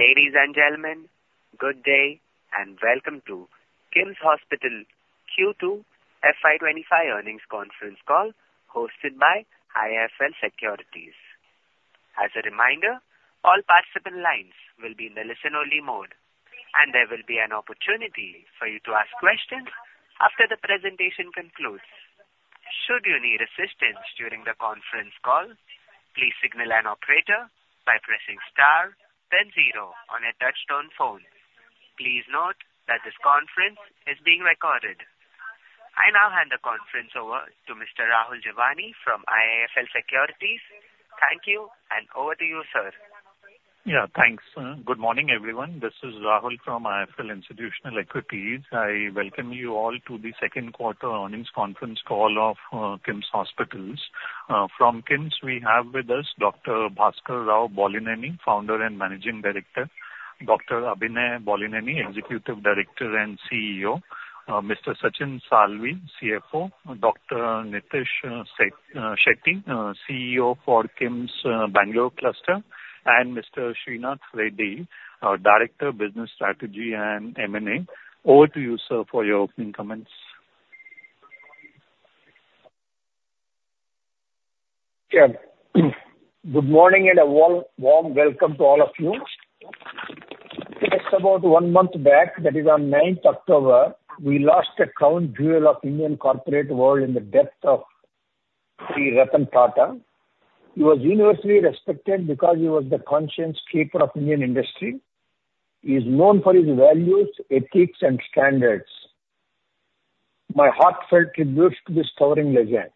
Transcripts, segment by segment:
Ladies and gentlemen, good day and welcome to KIMS Hospitals Q2 FY25 Earnings Conference Call hosted by IIFL Securities. As a reminder, all participant lines will be in the listen-only mode, and there will be an opportunity for you to ask questions after the presentation concludes. Should you need assistance during the conference call, please signal an operator by pressing star, then zero on a touch-tone phone. Please note that this conference is being recorded. I now hand the conference over to Mr. Rahul Jeewani from IIFL Securities. Thank you, and over to you, sir. Yeah, thanks. Good morning, everyone. This is Rahul Jeewani from IIFL Securities Limited. I welcome you all to the Q2 earnings conference call of KIMS Hospitals. From KIMS, we have with us Dr. Bhaskar Rao Bollineni, founder and managing director, Dr. Abhinay Bollineni, executive director and CEO, Mr. Sachin Salvi, CFO, Dr. Nitish Shetty, CEO for KIMS Bangalore Cluster, and Mr. Srinath Reddy, director, business strategy, and M&A. Over to you, sir, for your opening comments. Good morning and a warm welcome to all of you. Just about one month back, that is on 9th October, we lost the crown jewel of Indian corporate world in the death of Ratan Tata. He was universally respected because he was the conscience keeper of Indian industry. He is known for his values, ethics, and standards. My heartfelt tribute to this towering legend.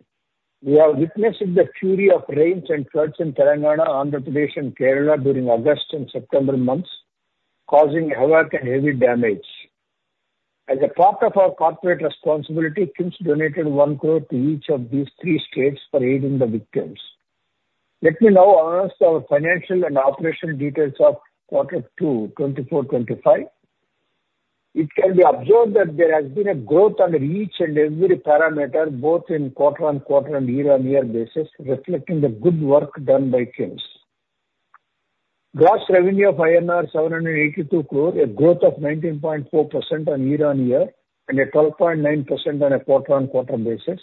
We have witnessed the fury of rains and floods in Telangana, Andhra Pradesh, and Kerala during August and September months, causing heavy damage. As a part of our corporate responsibility, KIMS donated 1 crore to each of these three states for aiding the victims. Let me now announce our financial and operational details of Q2, 2024-2025. It can be observed that there has been a growth under each and every parameter, both in quarter-on-quarter and year-on-year basis, reflecting the good work done by KIMS. Gross revenue of INR 782 crore, a growth of 19.4% on year-on-year and a 12.9% on a quarter-on-quarter basis.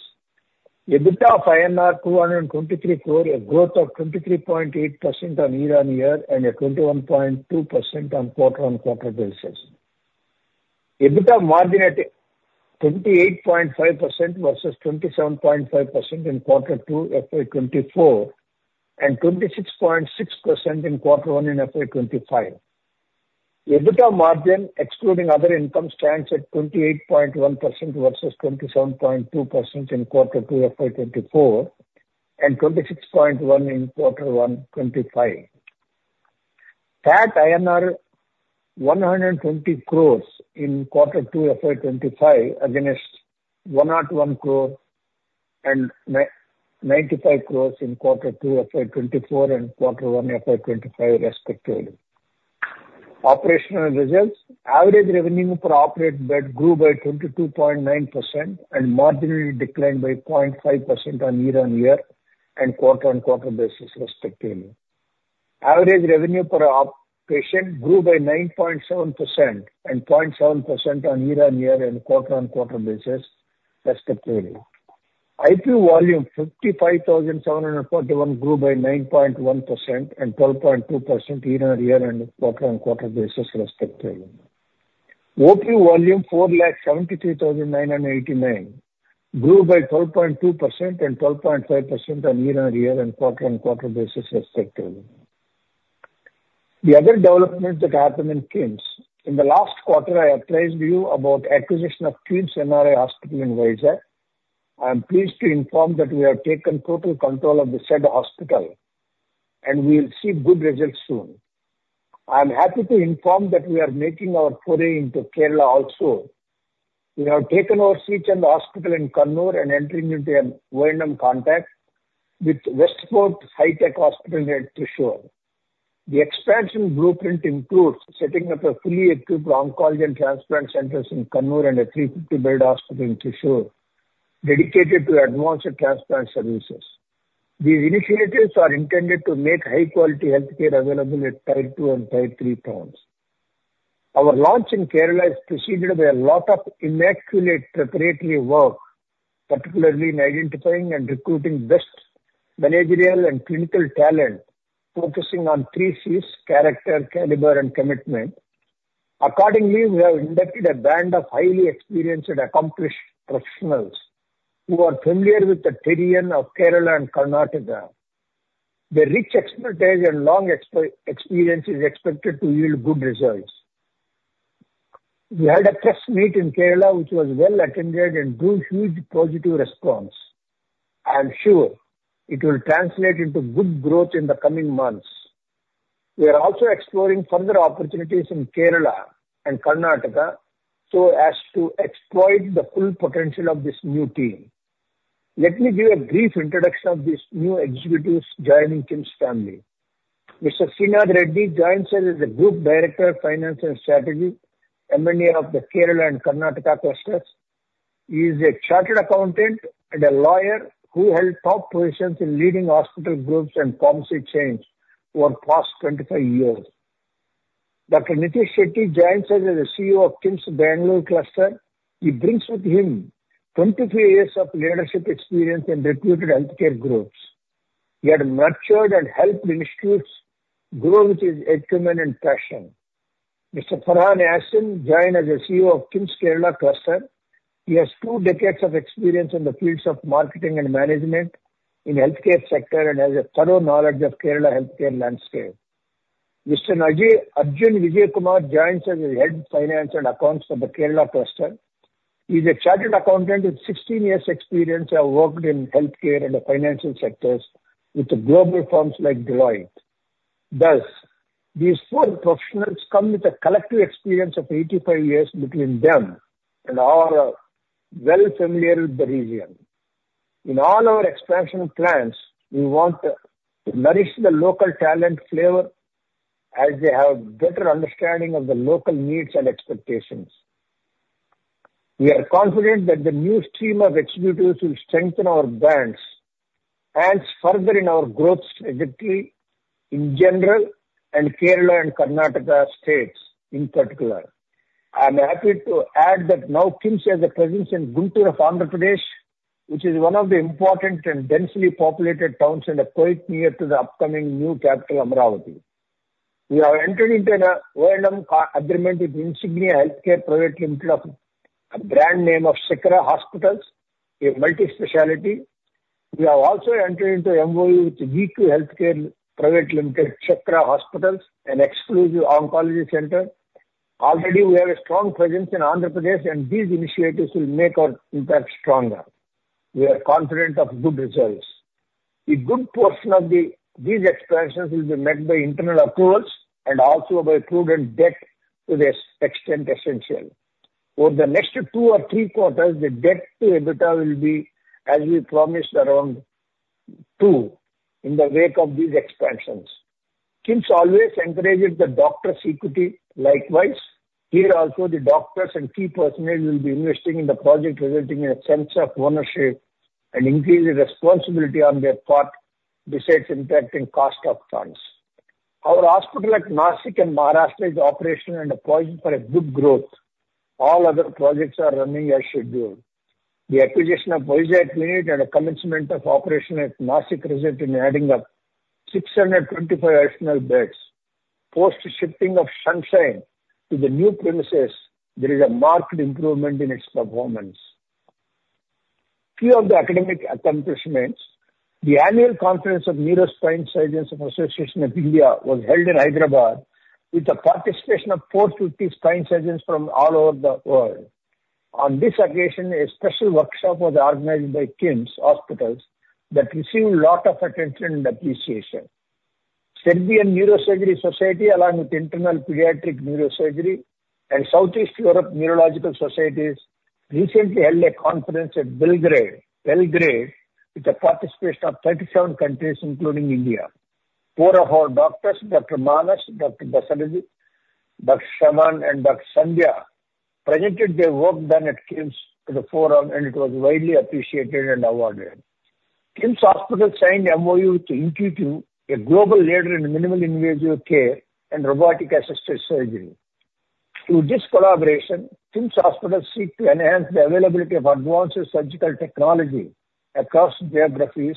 EBITDA of INR 223 crore, a growth of 23.8% on year-on-year and a 21.2% on quarter-on-quarter basis. EBITDA margin at 28.5% versus 27.5% in Q2 FY24 and 26.6% in Q1 in FY25. EBITDA margin, excluding other income, stands at 28.1% versus 27.2% in Q2 FY24 and 26.1% in Q1 FY25. That INR 120 crores in Q2 FY25 against 101 crores and 95 crores in Q2 FY24 and Q1 FY25, respectively. Operational results: average revenue per operating bed grew by 22.9% and marginally declined by 0.5% on year-on-year and quarter-on-quarter basis, respectively. Average revenue per operation grew by 9.7% and 0.7% on year-on-year and quarter-on-quarter basis, respectively. IP volume 55,741 grew by 9.1% and 12.2% year-on-year and quarter-on-quarter basis, respectively. OP volume 473,989 grew by 12.2% and 12.5% on year-on-year and quarter-on-quarter basis, respectively. The other developments that happened in KIMS: in the last quarter, I apprised you about the acquisition of KIMS NRI Hospital in Vizag. I am pleased to inform that we have taken total control of the said hospital, and we will see good results soon. I am happy to inform that we are making our foray into Kerala also. We have taken our stake in the hospital in Kannur and are entering into a one-on-one contract with Westfort Hi-Tech Hospital in Thrissur. The expansion blueprint includes setting up a fully equipped oncology and transplant centers in Kannur and a 350-bed hospital in Thrissur dedicated to advanced transplant services. These initiatives are intended to make high-quality healthcare available at Tier two and Tier three towns. Our launch in Kerala is preceded by a lot of immaculate preparatory work, particularly in identifying and recruiting best managerial and clinical talent, focusing on three C's: character, caliber, and commitment. Accordingly, we have inducted a band of highly experienced and accomplished professionals who are familiar with the terrain of Kerala and Karnataka. Their rich expertise and long experience are expected to yield good results. We had a press meet in Kerala, which was well attended and drew huge positive response. I am sure it will translate into good growth in the coming months. We are also exploring further opportunities in Kerala and Karnataka so as to exploit the full potential of this new team. Let me give a brief introduction of these new executives joining KIMS family. Mr. Srinath Reddy joins us as a Group Director of Finance and Strategy, M&A of the Kerala and Karnataka clusters. He is a chartered accountant and a lawyer who held top positions in leading hospital groups and pharmacy chains for the past 25 years. Dr. Nitish Shetty joins us as the CEO of KIMS Bangalore Cluster. He brings with him 23 years of leadership experience in reputed healthcare groups. He had nurtured and helped institutions grow with his acumen and passion. Mr. Farhan Yasin joins as the CEO of KIMS Kerala Cluster. He has two decades of experience in the fields of marketing and management in the healthcare sector and has a thorough knowledge of the Kerala healthcare landscape. Mr. Arjun Vijayakumar joins us as Head, Finance and Accounts for the Kerala Cluster. He is a chartered accountant with 16 years' experience and has worked in healthcare and financial sectors with global firms like Deloitte. Thus, these four professionals come with a collective experience of 85 years between them and are well familiar with the region. In all our expansion plans, we want to nourish the local talent flavor as they have a better understanding of the local needs and expectations. We are confident that the new stream of executives will strengthen our brands, advance further in our growth trajectory in general, and Kerala and Karnataka states in particular. I am happy to add that now KIMS has a presence in Guntur, Andhra Pradesh, which is one of the important and densely populated towns in the state near to the upcoming new capital, Amaravati. We have entered into an agreement with Insignia Healthcare Private Limited, a brand name of Sri Chakra Hospitals, a multi-specialty. We have also entered into an MOU with VQ Healthcare Private Limited, Sri Chakra Hospitals, an exclusive oncology center. Already, we have a strong presence in Andhra Pradesh, and these initiatives will make our impact stronger. We are confident of good results. A good portion of these expansions will be met by internal accruals and also by prudent debt to the extent essential. Over the next two or three quarters, the debt to EBITDA will be, as we promised, around two in the wake of these expansions. KIMS always encouraged the doctors' equity. Likewise, here also, the doctors and key personnel will be investing in the project, resulting in a sense of ownership and increased responsibility on their part besides impacting cost of funds. Our hospital at Nashik in Maharashtra is operational and poised for good growth. All other projects are running as scheduled. The acquisition of Vizag Clinic and the commencement of operation at Nashik result in adding 625 additional beds. Post-shipping of Sunshine to the new premises, there is a marked improvement in its performance. Few of the academic accomplishments: the annual conference of the Association of Neurospinal Surgeons of India was held in Hyderabad with the participation of 450 spine surgeons from all over the world. On this occasion, a special workshop was organized by KIMS Hospitals that received a lot of attention and appreciation. Serbian Neurosurgical Society, along with International Society for Pediatric Neurosurgery and Southeast Europe Neurosurgical Society, recently held a conference at Belgrade with the participation of 37 countries, including India. Four of our doctors, Dr. Manas, Dr. Basavaraja, Dr. Shamanth, and Dr. Sandhya, presented their work done at KIMS to the forum, and it was widely appreciated and awarded. KIMS Hospitals signed an MOU with Intuitive Surgical, a global leader in minimally invasive care and robotic-assisted surgery. Through this collaboration, KIMS Hospitals seeks to enhance the availability of advanced surgical technology across geographies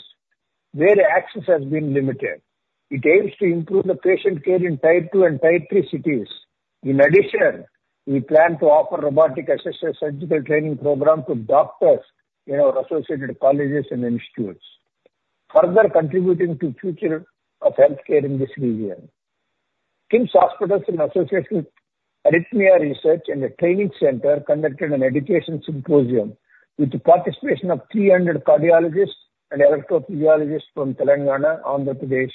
where access has been limited. It aims to improve the patient care in Tier two and Tier three cities. In addition, we plan to offer robotic-assisted surgical training programs to doctors in our associated colleges and institutes, further contributing to the future of healthcare in this region. KIMS Hospitals' association with Arrhythmia Research and Training Center conducted an educational symposium with the participation of 300 cardiologists and electrophysiologists from Telangana, Andhra Pradesh,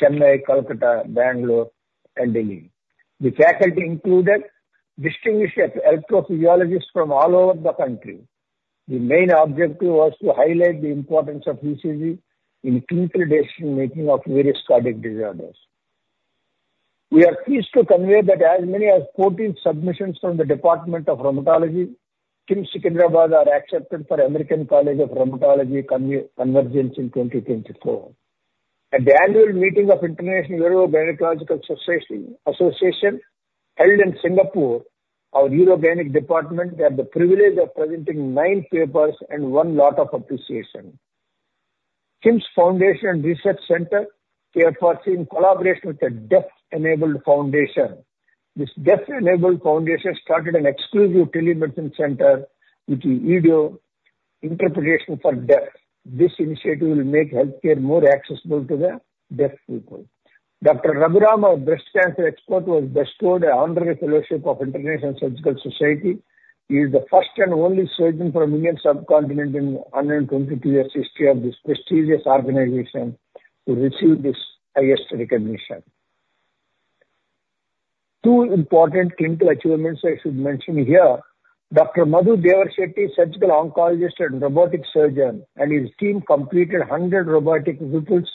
Chennai, Kolkata, Bangalore, and Delhi. The faculty included distinguished electrophysiologists from all over the country. The main objective was to highlight the importance of ECG in the interpretation-making of various cardiac disorders. We are pleased to convey that as many as 14 submissions from the Department of Rheumatology KIMS Secunderabad are accepted for the American College of Rheumatology Convergence in 2024. At the annual meeting of the International Urogynecological Association held in Singapore, our Urogynecology Department had the privilege of presenting nine papers and won a lot of appreciation. KIMS Foundation and Research Center are foreseeing collaboration with the Deaf Enabled Foundation. This Deaf Enabled Foundation started an exclusive telemedicine center with the video interpretation for deaf. This initiative will make healthcare more accessible to the deaf people. Dr. P. Raghu Ram, our breast cancer expert, was bestowed an honorary fellowship of the International Surgical Society. He is the first and only surgeon from the Indian subcontinent in the 122-year history of this prestigious organization to receive this highest recognition. Two important clinical achievements I should mention here: Dr. Madhu Devarishetty, surgical oncologist and robotic surgeon, and his team completed 100 robotic removals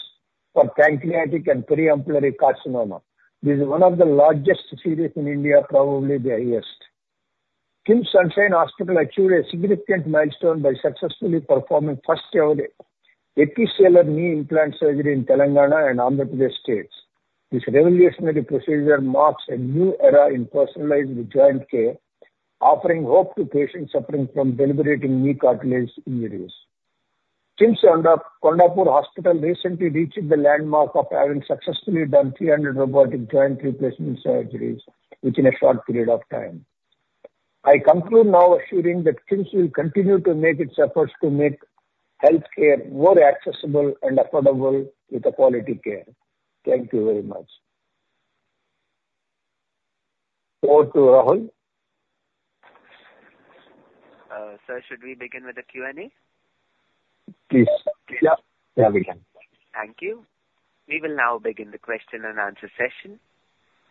for pancreatic and periampullary carcinoma. This is one of the largest series in India, probably the highest. KIMS Sunshine Hospital achieved a significant milestone by successfully performing first-ever Episealer knee implant surgery in Telangana and Andhra Pradesh states. This revolutionary procedure marks a new era in personalized joint care, offering hope to patients suffering from debilitating knee cartilage injuries. KIMS Kondapur Hospital recently reached the landmark of having successfully done 300 robotic joint replacement surgeries within a short period of time. I conclude now, assuring that KIMS will continue to make its efforts to make healthcare more accessible and affordable with quality care. Thank you very much. Over to Rahul. Sir, should we begin with the Q&A? Please. We can. Thank you. We will now begin the question and answer session.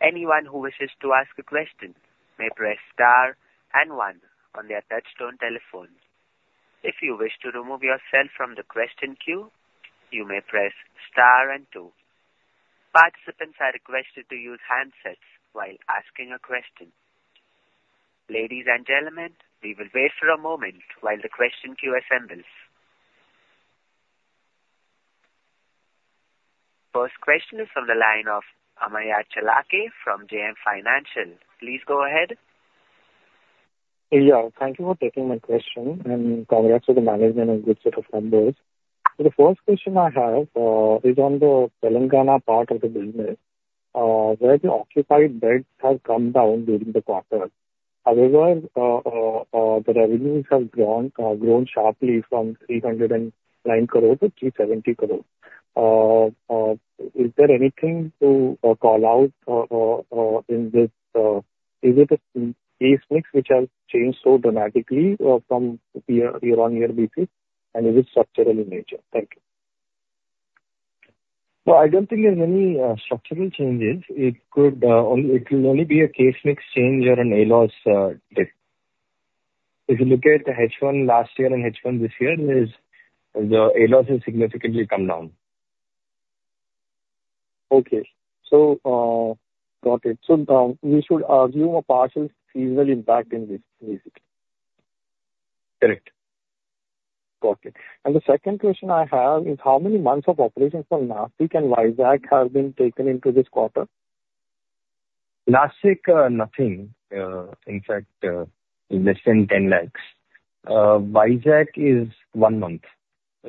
Anyone who wishes to ask a question may press star and one on their touch-tone telephone. If you wish to remove yourself from the question queue, you may press star and two. Participants are requested to use handsets while asking a question. Ladies and gentlemen, we will wait for a moment while the question queue assembles. First question is from the line of Ameya Karandikar from JM Financial. Please go ahead. Thank you for taking my question, and congrats to the management and good set of numbers. The first question I have is on the Telangana part of the business, where the occupied beds have come down during the quarter. However, the revenues have grown sharply from 309 crores to 370 crores. Is there anything to call out in this? Is it a case mix which has changed so dramatically from year-on-year basis? And is it structural in nature? Thank you. No, I don't think there are any structural changes. It could only be a case mix change or an ALOS dip. If you look at the H1 last year and H1 this year, the ALOS has significantly come down. Okay. So got it. So we should assume a partial seasonal impact in this case. Correct. Got it. The second question I have is, how many months of operations for Nashik and Vizag have been taken into this quarter? Nashik, nothing. In fact, less than 10 lakhs. Vizag is one month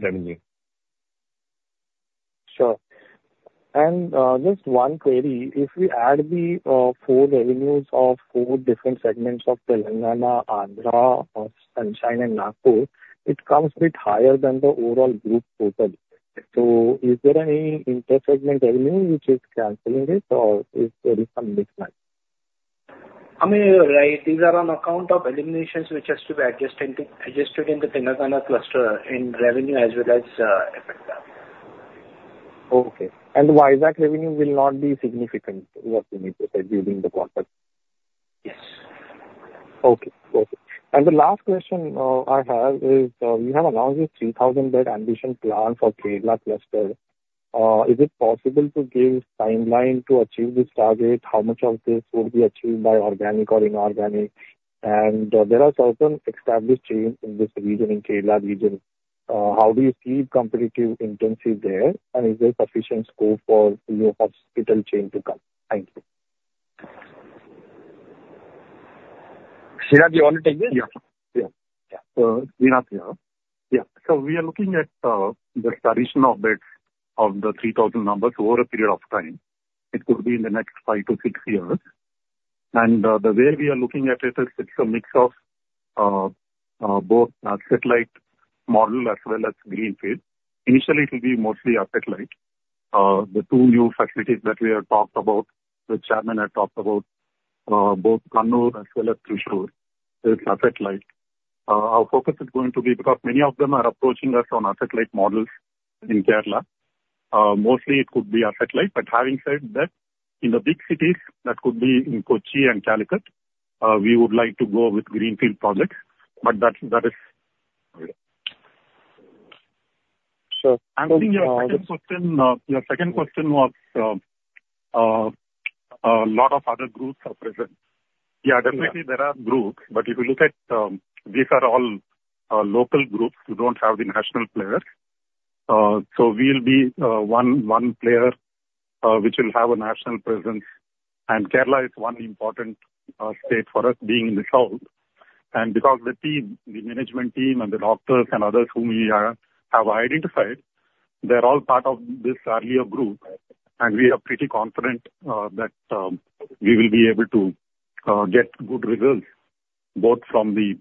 revenue. Sure. And just one query. If we add the four revenues of four different segments of Telangana, Andhra, Sunshine, and Nagpur, it comes a bit higher than the overall group total. So is there any inter-segment revenue which is canceling it, or is there some mismatch? I mean, there are variations on account of eliminations which have to be adjusted in the Telangana cluster in revenue as well as EBITDA. Okay. And the Vizag revenue will not be significant during the quarter? Yes. Okay. Okay. And the last question I have is, you have announced this 3,000-bed ambition plan for Kerala cluster. Is it possible to give a timeline to achieve this target? How much of this will be achieved by organic or inorganic? And there are certain established chains in this region, in Kerala region. How do you see competitive intensity there? And is there sufficient scope for your hospital chain to come? Thank you. Srinath, you want to take this? So Srinath, so we are looking at the total beds of the 3,000 numbers over a period of time. It could be in the next five to six years. And the way we are looking at it, it's a mix of both satellite model as well as greenfield. Initially, it will be mostly asset-light. The two new facilities that we have talked about, the chairman had talked about, both Kannur as well as Thrissur, it's asset-light. Our focus is going to be because many of them are approaching us on asset-light models in Kerala. Mostly, it could be asset-like. But having said that, in the big cities, that could be in Kochi and Calicut, we would like to go with greenfield projects. But that is sure. And your second question was a lot of other groups are present. Definitely, there are groups. But if you look at, these are all local groups. We don't have the national players. So we'll be one player which will have a national presence. And Kerala is one important state for us being in the south. And because the team, the management team, and the doctors and others whom we have identified, they're all part of this earlier group. And we are pretty confident that we will be able to get good results both from the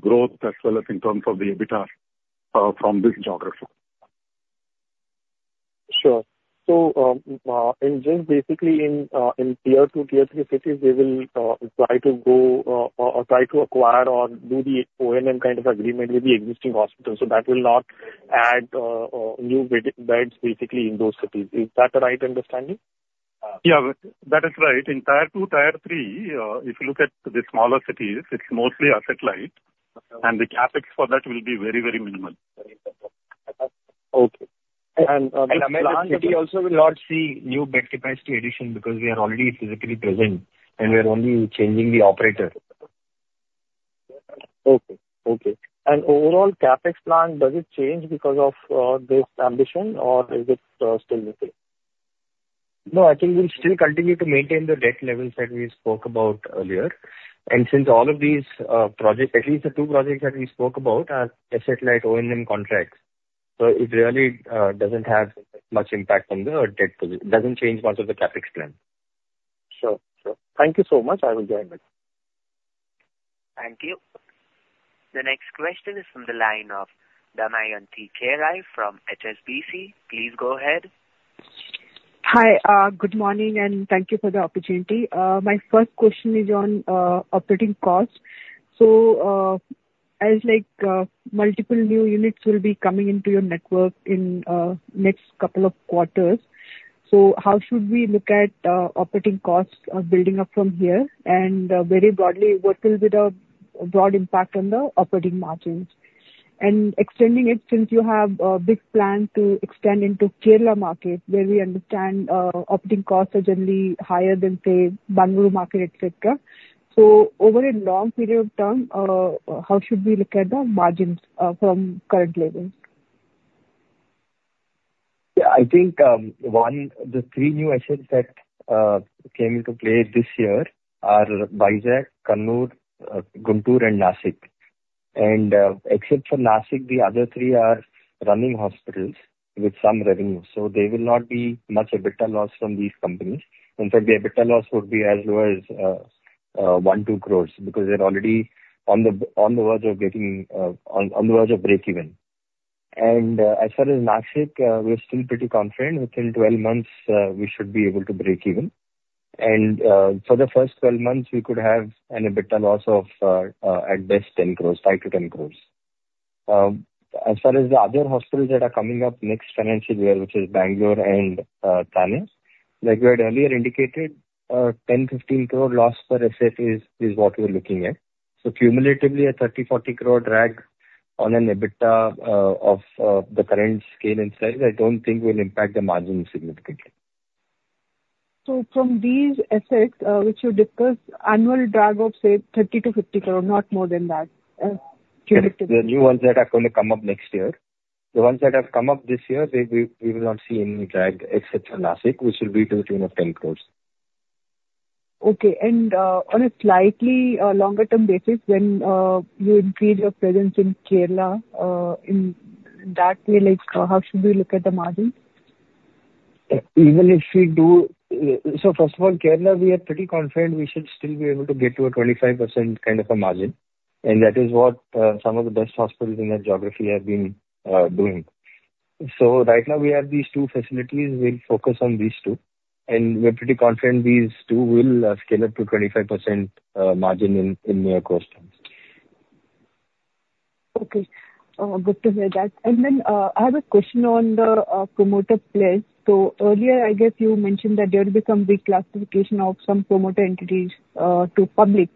growth as well as in terms of the EBITDA from this geography. Sure. So basically, in Tier two, Tier three cities, they will try to go or try to acquire or do the O&M kind of agreement with the existing hospital. So that will not add new beds basically in those cities. Is that the right understanding? That is right. In Tier two, Tier three, if you look at the smaller cities, it's mostly asset-light. And the CapEx for that will be very, very minimal. Okay. Okay. And overall, CapEx plan, does it change because of this ambition, or is it still the same? No, I think we'll still continue to maintain the debt levels that we spoke about earlier. And since all of these projects, at least the two projects that we spoke about, are asset-light O&M contracts, so it really doesn't have much impact on the debt position. It doesn't change much of the CapEx plan. Sure. Sure. Thank you so much. I will join it. Thank you. The next question is from the line of Damayanti Kerai from HSBC. Please go ahead. Hi. Good morning, and thank you for the opportunity. My first question is on operating costs. So as multiple new units will be coming into your network in the next couple of quarters, how should we look at operating costs building up from here? And very broadly, what will be the broad impact on the operating margins? And extending it, since you have a big plan to extend into Kerala market, where we understand operating costs are generally higher than, say, Bangalore market, etc., so over a long period of time, how should we look at the margins from current levels? I think the three new HSS that came into play this year are Vizag, Kannur, Guntur, and Nashik. And except for Nashik, the other three are running hospitals with some revenue. So there will not be much EBITDA loss from these companies. In fact, the EBITDA loss would be as low as 1-2 crores because they're already on the verge of getting on the verge of break-even. And as far as Nashik, we're still pretty confident. Within 12 months, we should be able to break even. For the first 12 months, we could have an EBITDA loss of at best 10 crore, 5 crore to 10 crore. As far as the other hospitals that are coming up next financial year, which is Bangalore and Thane, like we had earlier indicated, 10 crore-15 crore loss per site is what we're looking at. So cumulatively, a 30 crore-40 crore drag on an EBITDA of the current scale and size, I don't think will impact the margin significantly. So from these assets which you discussed, annual drag of, say, 30 crore to 50 crore, not more than that? The new ones that are going to come up next year, the ones that have come up this year, we will not see any drag except for Nashik, which will be between 10 crores. Okay. On a slightly longer-term basis, when you increase your presence in Kerala, in that way, how should we look at the margin? Even if we do so. First of all, Kerala, we are pretty confident we should still be able to get to a 25% kind of a margin. That is what some of the best hospitals in that geography have been doing. Right now, we have these two facilities. We'll focus on these two. We're pretty confident these two will scale up to 25% margin in near coastals. Okay. Good to hear that. Then I have a question on the promoter pledge. Earlier, I guess you mentioned that there will become reclassification of some promoter entities to public.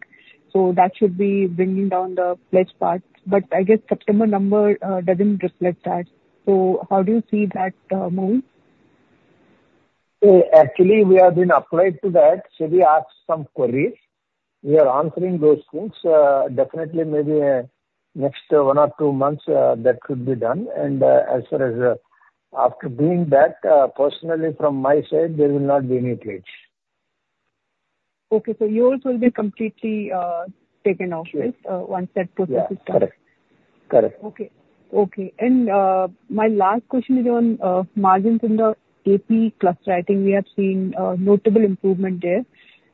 That should be bringing down the pledge part. But I guess September number doesn't reflect that. How do you see that move? Actually, we have been upright to that. So we asked some queries. We are answering those things. Definitely, maybe next one or two months, that should be done. And as far as after doing that, personally, from my side, there will not be any pledge. Okay. So yours will be completely taken out once that process is done. Yes. Correct. Correct. Okay. Okay. And my last question is on margins in the AP cluster. I think we have seen notable improvement there.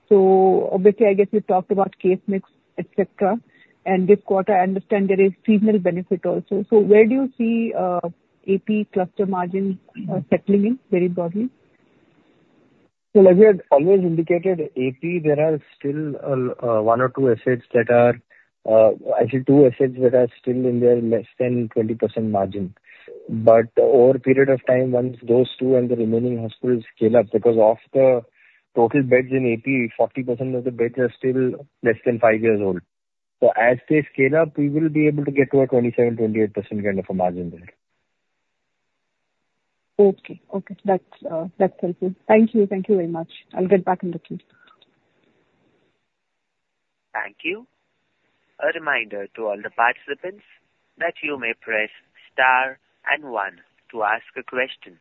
So obviously, I guess you talked about case mix, etc. And this quarter, I understand there is seasonal benefit also. So where do you see AP cluster margins settling in very broadly? So like we had always indicated, AP, there are still one or two assets that are actually two assets that are still in their less than 20% margin. But over a period of time, once those two and the remaining hospitals scale up, because of the total beds in AP, 40% of the beds are still less than five years old. So as they scale up, we will be able to get to a 27%-28% kind of a margin there. Okay. Okay. That's helpful. Thank you. Thank you very much. I'll get back in touch with you. Thank you. A reminder to all the participants that you may press star and one to ask a question.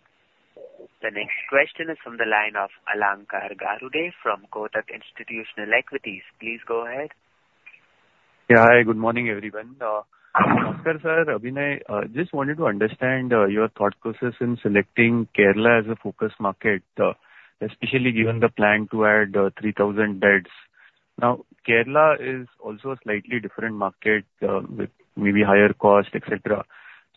The next question is from the line of Alankar Garude from Kotak Institutional Equities. Please go ahead. Hi. Good morning, everyone. I'm Alankar, sir. Abhinay. Just wanted to understand your thought process in selecting Kerala as a focus market, especially given the plan to add 3,000 beds. Now, Kerala is also a slightly different market with maybe higher cost, etc.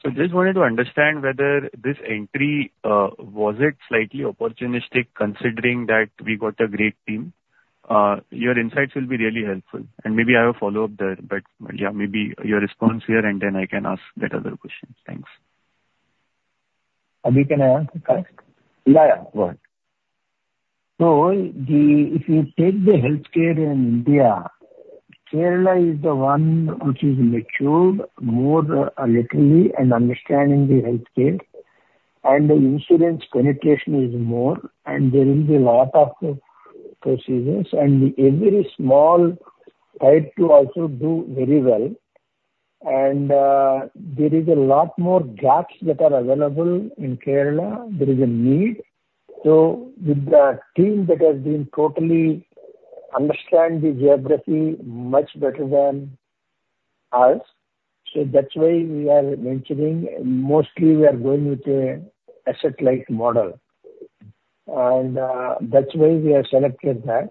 So just wanted to understand whether this entry was it slightly opportunistic considering that we got a great team? Your insights will be really helpful. And maybe I have a follow-up there. But maybe your response here, and then I can ask that other question. Thanks. Abhi, can I ask? Go ahead. So if you take the healthcare in India, Kerala is the one which is matured more literally and understanding the healthcare. And the insurance penetration is more. And there will be a lot of procedures. And every small type to also do very well. And there is a lot more gaps that are available in Kerala. There is a need. So with the team that has been totally understand the geography much better than us. So that's why we are mentioning mostly we are going with an asset-light model. That's why we have selected that.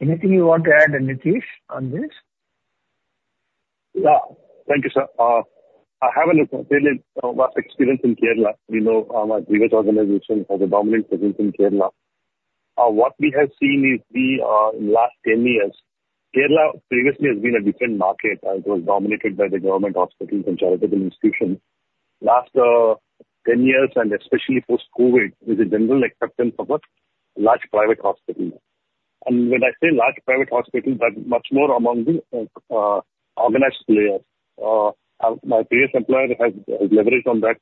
Anything you want to add, Nitish, on this? Thank you, sir. I have a little experience in Kerala. We know our previous organization has a dominant presence in Kerala. What we have seen is the last 10 years, Kerala previously has been a different market as it was dominated by the government hospitals and charitable institutions. Last 10 years, and especially post-COVID, there's a general acceptance of a large private hospital. And when I say large private hospital, that's much more among the organized players. My previous employer has leveraged on that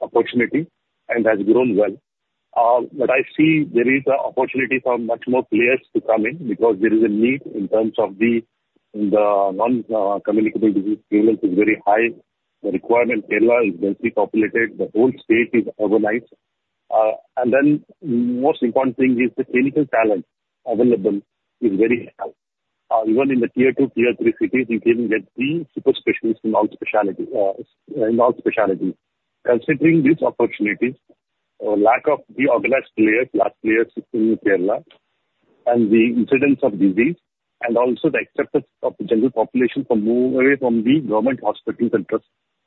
opportunity and has grown well. But I see there is an opportunity for much more players to come in because there is a need in terms of the non-communicable disease prevalence is very high. Kerala is densely populated. The whole state is urbanized. Then the most important thing is the clinical talent available is very high. Even in the Tier two, Tier three cities, you can get three super specialists in all specialties. Considering these opportunities, the lack of the organized players, large players in Kerala, and the incidence of disease, and also the acceptance of the general population to move away from the government hospitals,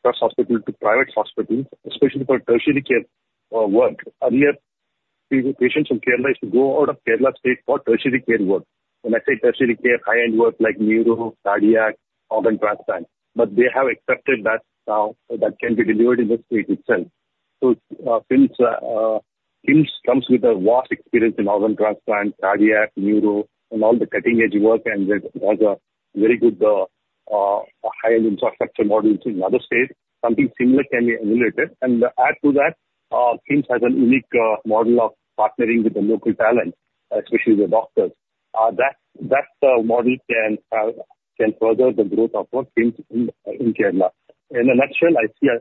cross-hospital to private hospitals, especially for tertiary care work, earlier, patients from Kerala used to go out of Kerala state for tertiary care work. When I say tertiary care, high-end work like neuro, cardiac, organ transplant. But they have accepted that now that can be delivered in the state itself. So since KIMS comes with a vast experience in organ transplant, cardiac, neuro, and all the cutting-edge work, and has a very good high-end infrastructure model in other states, something similar can be emulated. Add to that, KIMS has a unique model of partnering with the local talent, especially the doctors. That model can further the growth of KIMS in Kerala. In a nutshell, I see a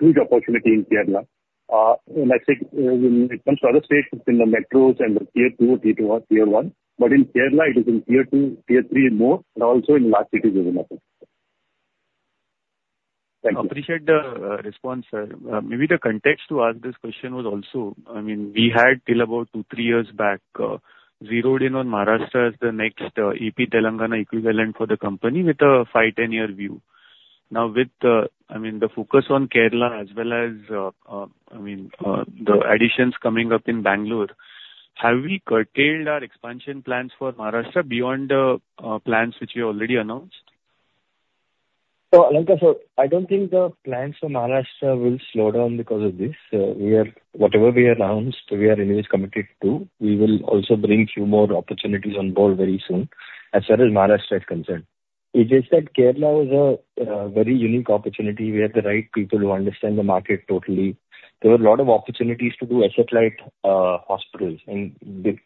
huge opportunity in Kerala. I think when it comes to other states, it's in the metros and the Tier two, Tier one. But in Kerala, it is in Tier two, Tier three more, and also in large cities as well. Thank you. I appreciate the response, sir. Maybe the context to ask this question was also, I mean, we had till about two, three years back, zeroed in on Maharashtra as the next AP Telangana equivalent for the company with a 5, 10-year view. Now, with the, I mean, the focus on Kerala as well as, I mean, the additions coming up in Bangalore, have we curtailed our expansion plans for Maharashtra beyond the plans which we already announced? Alankar, sir, I don't think the plans for Maharashtra will slow down because of this. Whatever we announced, we are always committed to. We will also bring few more opportunities on board very soon as far as Maharashtra is concerned. It is that Kerala was a very unique opportunity. We had the right people who understand the market totally. There were a lot of opportunities to do asset-light hospitals. And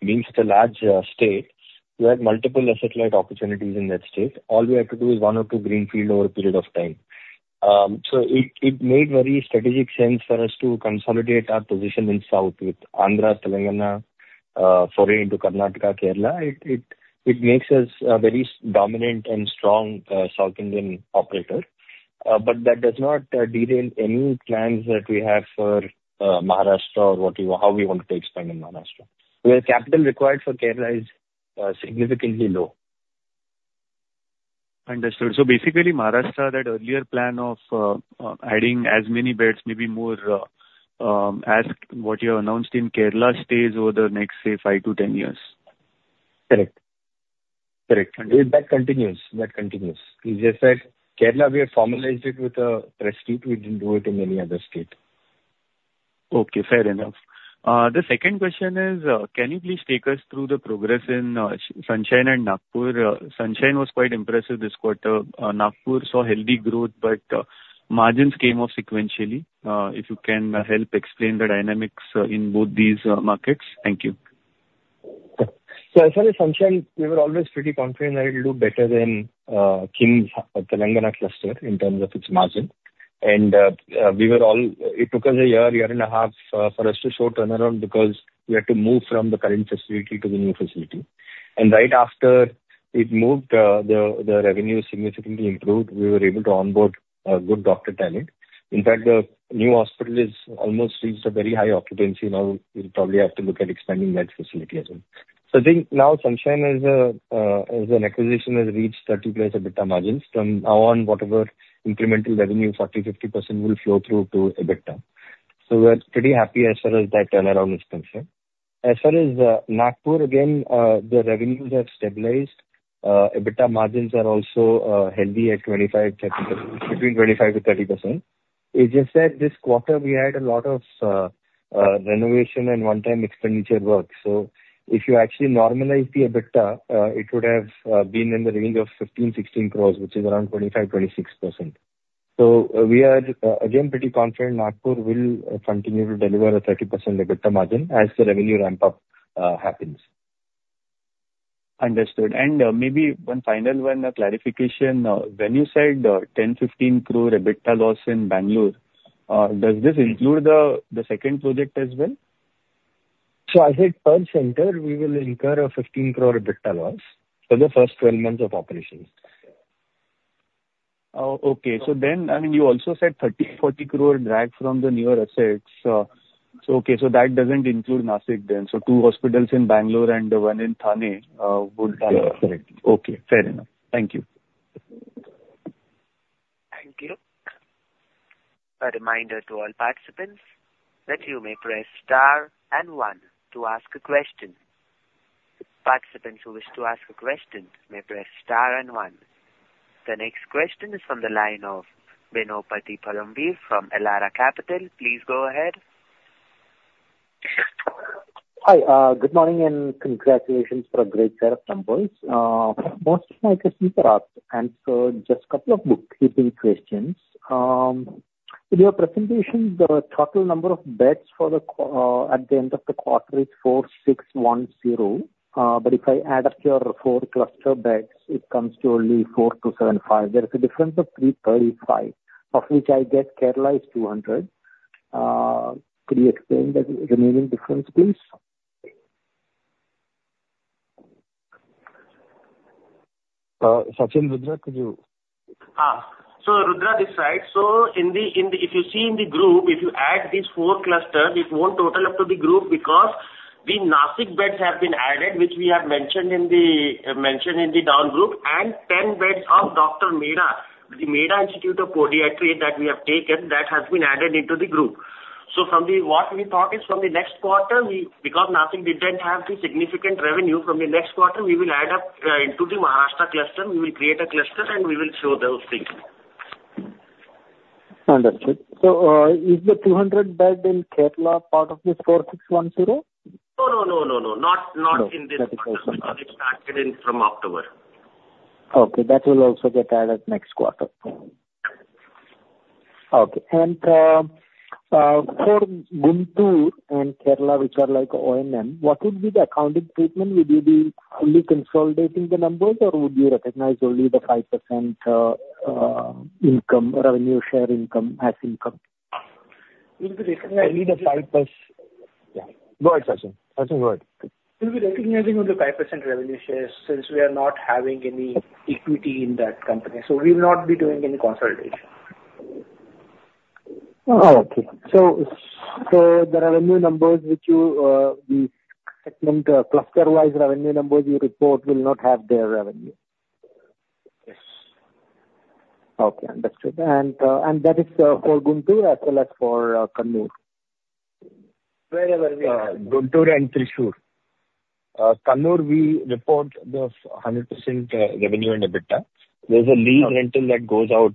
being such a large state, we had multiple asset-light opportunities in that state. All we had to do is one or two greenfield over a period of time. So it made very strategic sense for us to consolidate our position in the South with Andhra, Telangana, foray into Karnataka, Kerala. It makes us a very dominant and strong South Indian operator. But that does not derail any plans that we have for Maharashtra or how we want to expand in Maharashtra. Where capital required for Kerala is significantly low. Understood. So basically, Maharashtra, that earlier plan of adding as many beds, maybe more, as what you have announced in Kerala stays over the next, say, five to 10 years. Correct. Correct. That continues. That continues. It's just that Kerala, we have formalized it with a presence we didn't have it in any other state. Okay. Fair enough. The second question is, can you please take us through the progress in Sunshine and Nagpur? Sunshine was quite impressive this quarter. Nagpur saw healthy growth, but margins came off sequentially. If you can help explain the dynamics in both these markets? Thank you. So as far as Sunshine, we were always pretty confident that it will do better than KIMS Telangana cluster in terms of its margin. And while it took us a year, year and a half for us to show turnaround because we had to move from the current facility to the new facility. And right after it moved, the revenues significantly improved. We were able to onboard good doctor talent. In fact, the new hospital has almost reached a very high occupancy. Now, we'll probably have to look at expanding that facility as well. So I think now Sunshine as an acquisition has reached 30% EBITDA margins. From now on, whatever incremental revenue, 40%-50% will flow through to EBITDA. So we're pretty happy as far as that turnaround is concerned. As far as Nagpur, again, the revenues have stabilized. EBITDA margins are also healthy at 25%, between 25%-30%. It's just that this quarter, we had a lot of renovation and one-time expenditure work. So if you actually normalize the EBITDA, it would have been in the range of 15-16 crore, which is around 25%-26%. So we are, again, pretty confident Nagpur will continue to deliver a 30% EBITDA margin as the revenue ramp-up happens. Understood. And maybe one final clarification. When you said 10-15 crore EBITDA loss in Bangalore, does this include the second project as well? So as a third center, we will incur a 15 crore EBITDA loss for the first 12 months of operations. Okay. So then, I mean, you also said 30-40 crore drag from the newer assets. So okay. So that doesn't include Nashik then. So two hospitals in Bangalore and one in Thane would. Correct. Correct. Okay. Fair enough. Thank you. Thank you. A reminder to all participants that you may press star and one to ask a question. Participants who wish to ask a question may press star and one. The next question is from the line of Bino Pathiparampil from Elara Capital. Please go ahead. Hi. Good morning and congratulations for a great set of numbers. Most of my questions are answered, just a couple of bookkeeping questions. In your presentation, the total number of beds at the end of the quarter is 4,610. But if I add up your four cluster beds, it comes to only 4,275. There is a difference of 335, of which I guess Kerala is 200. Could you explain the remaining difference, please? Sachin, Rudra, could you? So Rudra, this side. So if you see in the group, if you add these four clusters, it won't total up to the group because the Nashik beds have been added, which we have mentioned in the standalone, and 10 beds of Dr. Mehta, the Mehta Institute of Podiatry that we have taken, that has been added into the group. So what we thought is from the next quarter, because Nashik didn't have the significant revenue, from the next quarter, we will add up into the Maharashtra cluster. We will create a cluster, and we will show those things. Understood. So is the 200-bed in Kerala part of this 4, 6, 1, 0? No, no, no, no, no. Not in this quarter. It started from October. Okay. That will also get added next quarter. Okay. And for Guntur and Kerala, which are like O&M, what would be the accounting treatment? Would you be fully consolidating the numbers, or would you recognize only the 5% revenue share income as income? Will we recognize only the 5%? Go ahead, Sachin. Sachin, go ahead. Will we recognize only the 5% revenue share since we are not having any equity in that company? So we will not be doing any consolidation. Oh, okay. So the revenue numbers which you segment cluster-wise revenue numbers you report will not have their revenue? Yes. Okay. Understood. And that is for Guntur as well as for Kannur? Wherever we are. Guntur and Thrissur. Kannur, we report the 100% revenue and EBITDA. There's a lease rental that goes out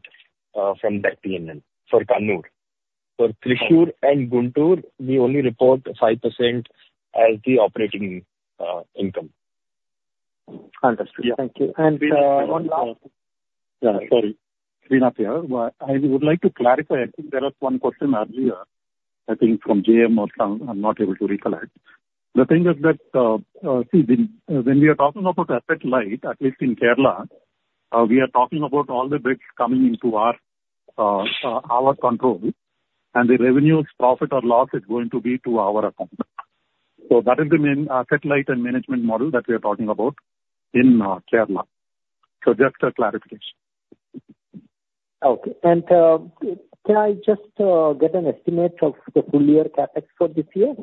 from that P&L for Kannur. For Thrissur and Guntur, we only report 5% as the operating income. Understood. Thank you. And one last. Sorry. Clean up here. I would like to clarify. I think there was one question earlier, I think, from JM or some. I'm not able to recollect. The thing is that, see, when we are talking about asset-light, at least in Kerala, we are talking about all the beds coming into our control, and the revenues, profit, or loss is going to be to our account. So that is the main asset-light and management model that we are talking about in Kerala. So just a clarification. Okay. And can I just get an estimate of the full year CapEx for this year?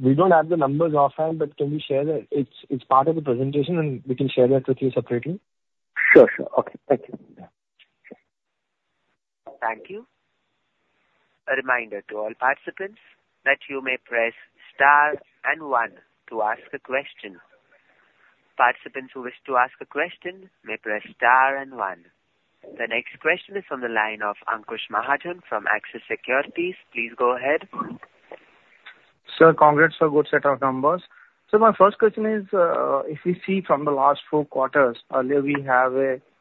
We don't have the numbers offhand, but can we share that it's part of the presentation, and we can share that with you separately? Sure, sure. Okay. Thank you. Thank you. A reminder to all participants that you may press star and one to ask a question. Participants who wish to ask a question may press star and one. The next question is from the line of Ankush Mahajan from Axis Securities. Please go ahead. Sir, congrats for a good set of numbers. So my first question is, if we see from the last four quarters, earlier we have,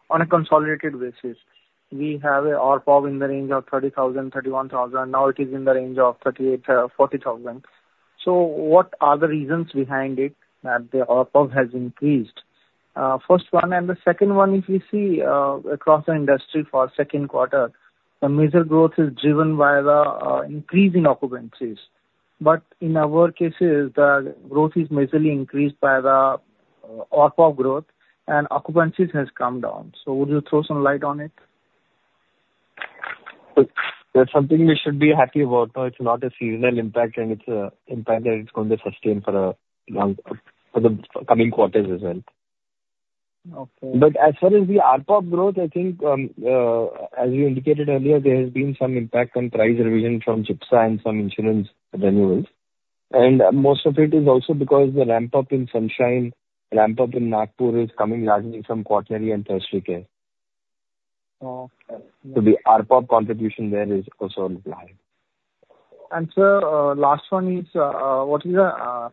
on a consolidated basis, we have an ARPOB in the range of 30,000-31,000. Now it is in the range of 38,000-40,000. So what are the reasons behind it that the ARPOB has increased? First one. And the second one, if we see across the industry for Q2, the major growth is driven by the increase in occupancies. But in our cases, the growth is majorly increased by the ARPOB growth, and occupancies has come down. So would you throw some light on it? That's something we should be happy about. It's not a seasonal impact, and it's an impact that it's going to sustain for the coming quarters as well. But as far as the ARPO growth, I think, as you indicated earlier, there has been some impact on price revision from GIPSA and some insurance renewals. And most of it is also because the ramp-up in Sunshine, ramp-up in Nagpur is coming largely from quaternary and tertiary care. So the ARPO contribution there is also implied. And sir, last one is, what is the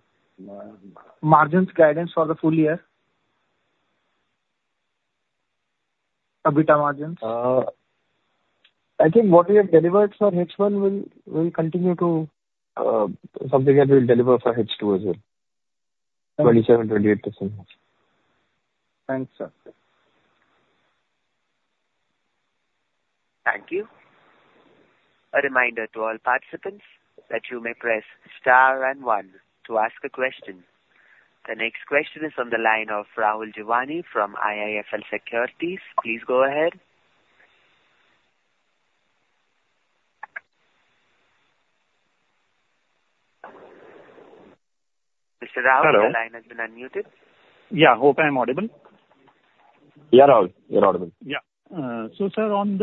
margins guidance for the full year? EBITDA margins? I think what we have delivered for H1 will continue to. Something that we'll deliver for H2 as well. 27%-28%. Thanks, sir. Thank you. A reminder to all participants that you may press star and one to ask a question. The next question is from the line of Rahul Jeewani from IIFL Securities. Please go ahead. Mr. Rahul, the line has been unmuted. Hope I'm audible? Rahul. You're audible. So sir, on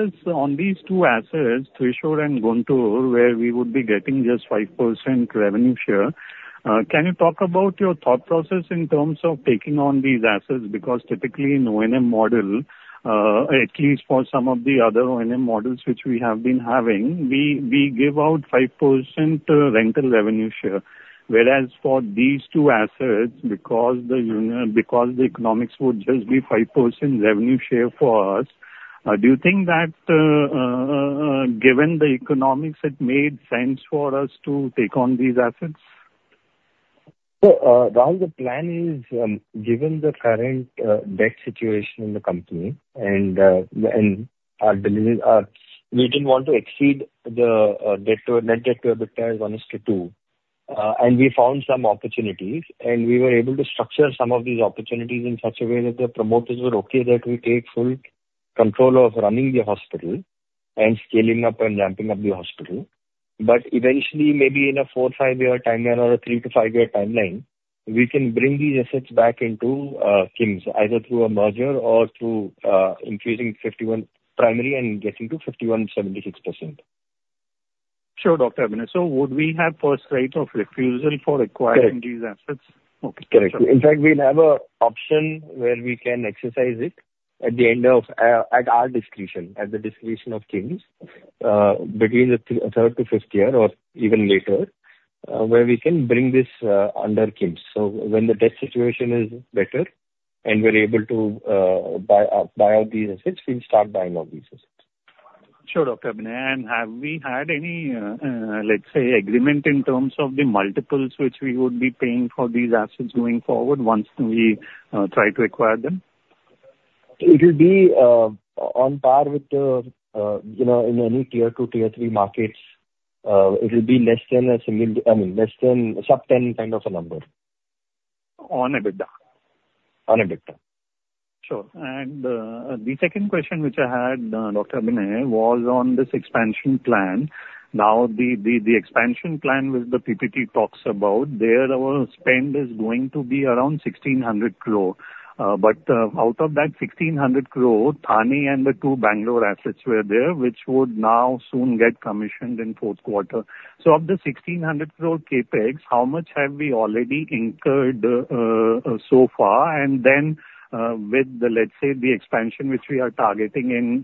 these two assets, Thrissur and Guntur, where we would be getting just 5% revenue share, can you talk about your thought process in terms of taking on these assets? Because typically in O&M model, at least for some of the other O&M models which we have been having, we give out 5% rental revenue share. Whereas for these two assets, because the economics would just be 5% revenue share for us, do you think that given the economics, it made sense for us to take on these assets? Sir, Rahul, the plan is, given the current debt situation in the company and we didn't want to exceed the net debt to EBITDA is 1:2. We found some opportunities, and we were able to structure some of these opportunities in such a way that the promoters were okay that we take full control of running the hospital and scaling up and ramping up the hospital. But eventually, maybe in a four- or five-year timeline or a three- to five-year timeline, we can bring these assets back into KIMS, either through a merger or through increasing 51% and getting to 51%-76%. Sure, Dr. Abhinay. So would we have right of first refusal for acquiring these assets? Correct. In fact, we have an option where we can exercise it at our discretion, at the discretion of KIMS, between the third to fifth year or even later, where we can bring this under KIMS. So when the debt situation is better and we are able to buy out these assets, we will start buying out these assets. Sure, Dr. Abhinay. And have we had any, let's say, agreement in terms of the multiples which we would be paying for these assets going forward once we try to acquire them? It will be on par with the, in any Tier two, Tier three markets, it will be less than a single I mean, less than sub-10 kind of a number. On EBITDA. On EBITDA. Sure. And the second question which I had, Dr. Abhinay, was on this expansion plan. Now, the expansion plan with the PPT talks about, their spend is going to be around 1,600 crore. But out of that 1,600 crore, Thane and the two Bangalore assets were there, which would now soon get commissioned in Q4. So of the 1,600 crore CapEx, how much have we already incurred so far? And then with the, let's say, the expansion which we are targeting in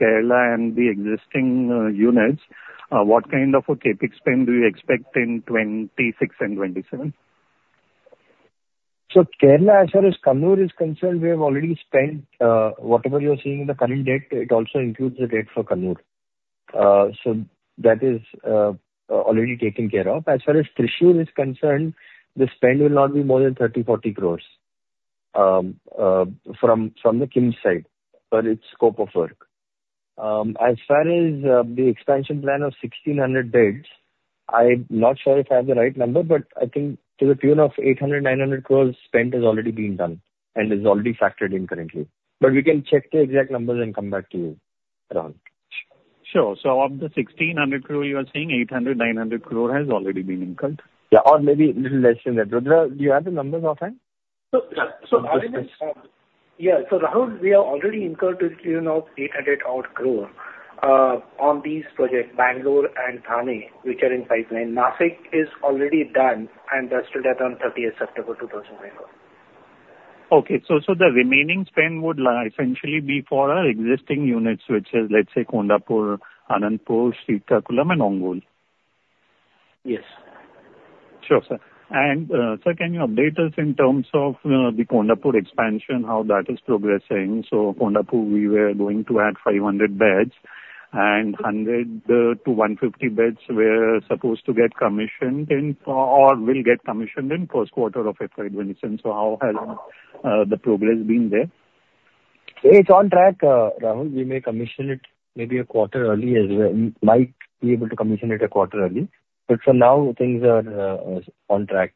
Kerala and the existing units, what kind of a CapEx spend do you expect in 2026 and 2027? So Kerala as far as Kannur is concerned, we have already spent whatever you're seeing in the current data, it also includes the data for Kannur. So that is already taken care of. As far as Thrissur is concerned, the spend will not be more than 30-40 crores from the KIMS side for its scope of work. As far as the expansion plan of 1,600 beds, I'm not sure if I have the right number, but I think to the tune of 800-900 crores spent has already been done and is already factored in currently. But we can check the exact numbers and come back to you, Rahul. Sure. Of the 1,600 crore you are seeing, 800-900 crore has already been incurred? Or maybe a little less than that. Rudra, do you have the numbers offhand? So Rahul, we have already incurred to the tune of 800 crore on these projects, Bangalore and Thane, which are in pipeline. Nashik is already done and is still to be done on 30th September 2024. Okay. So the remaining spend would essentially be for our existing units, which is, let's say, Kondapur, Anantapur, Srikakulam, and Ongole. Yes. Sure, sir. And sir, can you update us in terms of the Kondapur expansion, how that is progressing? So Kondapur, we were going to add 500 beds, and 100-150 beds were supposed to get commissioned or will get commissioned in the Q1 of FY27. So how has the progress been there? It's on track, Rahul. We may commission it maybe a quarter early as well. We might be able to commission it a quarter early. But for now, things are on track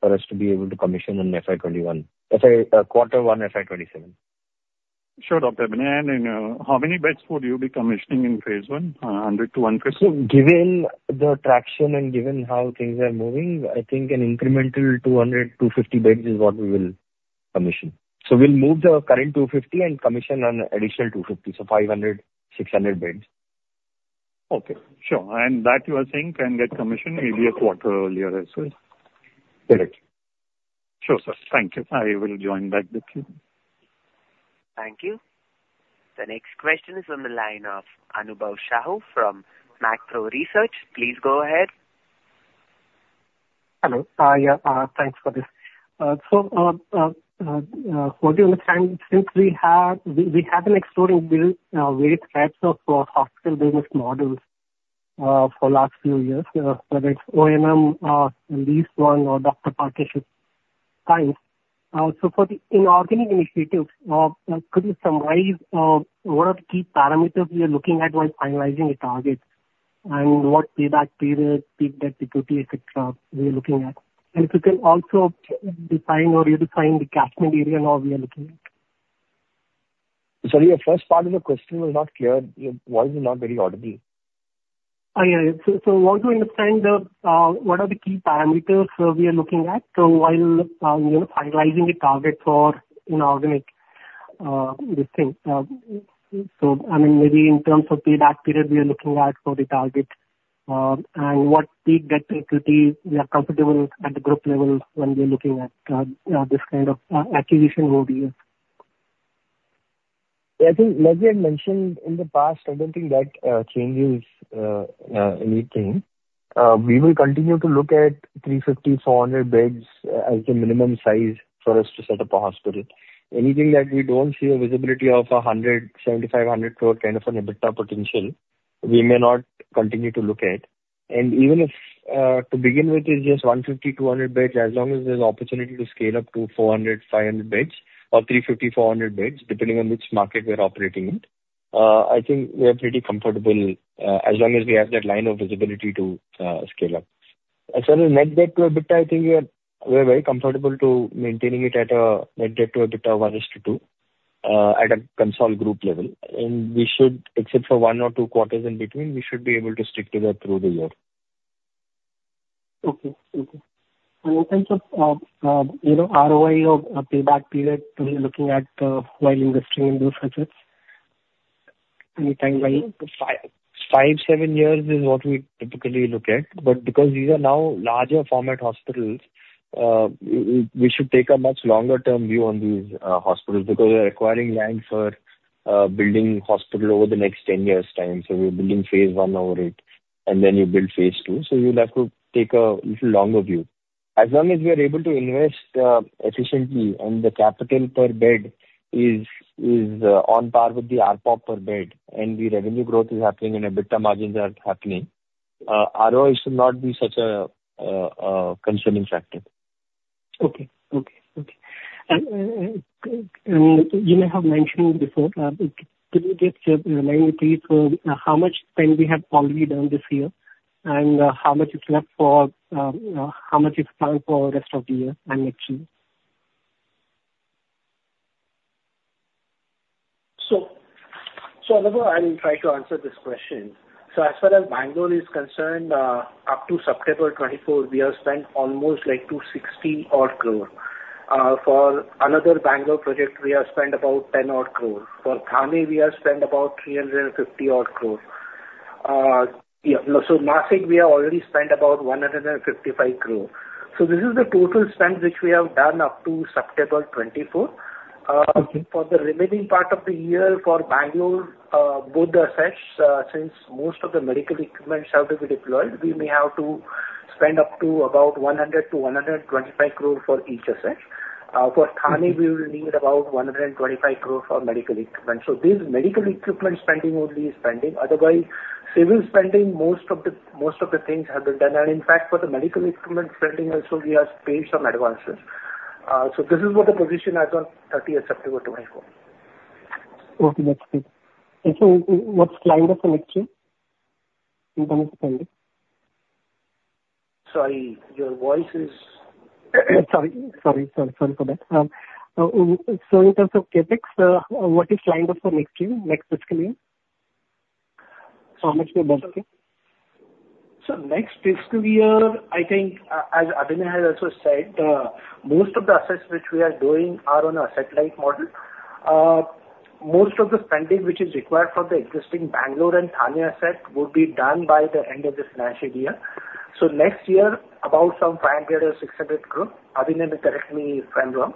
for us to be able to commission in FY21, Q1, FY27. Sure, Dr. Abhinay. And how many beds would you be commissioning in phase one, 100-150? So given the traction and given how things are moving, I think an incremental 200-250 beds is what we will commission. So we'll move the current 250 and commission an additional 250, so 500-600 beds. Okay. Sure. And that you are saying can get commissioned maybe a quarter earlier as well? Correct. Sure, sir. Thank you. I will join back with you. Thank you. The next question is from the line of Anubhav Sahu from Macquarie Research. Please go ahead. Hello. Thanks for this. So hold on a second. Since we have been exploring various types of hospital business models for the last few years, whether it's O&M, lease one, or doctor-partnership types, so for the inorganic initiatives, could you summarize what are the key parameters we are looking at when finalizing a target and what payback period, peak debt liquidity, etc., we are looking at? And if you can also define or redefine the catchment area and all we are looking at. Sorry, your first part of the question was not clear. Why is it not very audible? Once we understand what are the key parameters we are looking at, while finalizing a target for inorganic this thing, I mean, maybe in terms of payback period we are looking at for the target and what peak debt liquidity we are comfortable at the group level when we are looking at this kind of acquisition over here. I think, like we had mentioned in the past, I don't think that changes anything. We will continue to look at 350-400 beds as the minimum size for us to set up a hospital. Anything that we don't see a visibility of 75-100 crore kind of an EBITDA potential, we may not continue to look at. Even if to begin with it's just 150-200 beds, as long as there's opportunity to scale up to 400-500 beds or 350-400 beds, depending on which market we're operating in, I think we are pretty comfortable as long as we have that line of visibility to scale up. As far as net debt to EBITDA, I think we are very comfortable maintaining it at a net debt to EBITDA of 1:2 at a consolidated group level. We should, except for one or two quarters in between, be able to stick to that through the year. Okay. Okay. In terms of ROI or payback period, are you looking at while investing in those assets? Anytime by five-seven years is what we typically look at. But because these are now larger-format hospitals, we should take a much longer-term view on these hospitals because we are acquiring land for building hospital over the next 10 years' time. So we're building phase one over it, and then you build phase two. So you'll have to take a little longer view. As long as we are able to invest efficiently and the capital per bed is on par with the ARPOB per bed and the revenue growth is happening and EBITDA margins are happening, ROI should not be such a concerning factor. Okay. Okay. Okay. And you may have mentioned before, could you just remind me, please, how much spend we have already done this year and how much is left for how much is planned for the rest of the year and next year? So Anubhav, I will try to answer this question. As far as Bangalore is concerned, up to September 2024, we have spent almost like 260 crore. For another Bangalore project, we have spent about 10 crore. For Thane, we have spent about 350 crore. So Nashik, we have already spent about 155 crore. So this is the total spend which we have done up to September 2024. For the remaining part of the year for Bangalore, both assets, since most of the medical equipment has to be deployed, we may have to spend up to about 100-125 crore for each asset. For Thane, we will need about 125 crore for medical equipment. So this medical equipment spending will be spending. Otherwise, civil spending, most of the things have been done. And in fact, for the medical equipment spending also, we have paid some advances. So this is what the position as of 30th September 2024. Okay. That's good. So what's lined up for next year in terms of spending? Sorry, your voice is sorry. Sorry for that. So in terms of CapEx, what is lined up for next year, next FY? So how much we are budgeting? So next FY, I think, as Abhinay has also said, most of the assets which we are doing are on a satellite model. Most of the spending which is required for the existing Bangalore and Thane asset would be done by the end of this financial year. So next year, about some 500 crore or 600 crore. Abhinay, correct me if I'm wrong.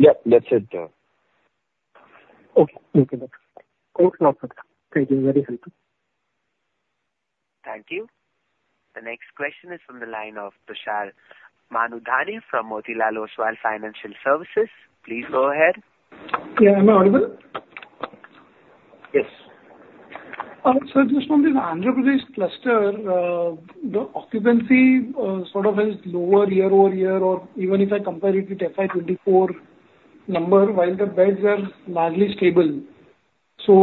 That's it. Okay. No problem. Thank you. Very helpful. Thank you. The next question is from the line of Tushar Manudhane from Motilal Oswal Financial Services. Please go ahead. Am I audible? Yes. So just from the Andhra Pradesh cluster, the occupancy sort of has lower year over year, or even if I compare it with FY24 number, while the beds are largely stable. So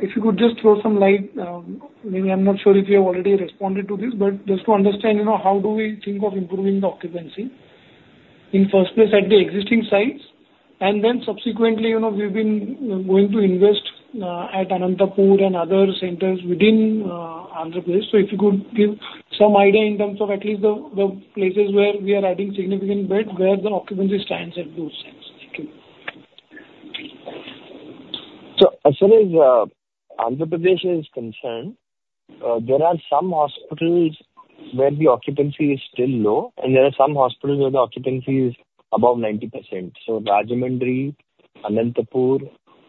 if you could just throw some light, maybe I'm not sure if you have already responded to this, but just to understand how do we think of improving the occupancy in first place at the existing sites, and then subsequently, we've been going to invest at Anantapur and other centers within Andhra Pradesh. So if you could give some idea in terms of at least the places where we are adding significant beds, where the occupancy stands at those sites. Thank you. So as far as Andhra Pradesh is concerned, there are some hospitals where the occupancy is still low, and there are some hospitals where the occupancy is above 90%. So Rajahmundry, Anantapur,